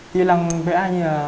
kỹ lăng vẽ như là